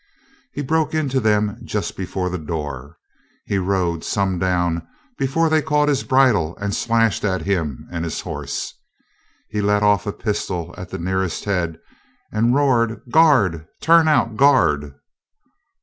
He broke into them just before the door. He rode some down before they caught his bridle and slashed at him and his horse. He let off a pistol at the nearest head and roared, "Guard! Turn out, guard!"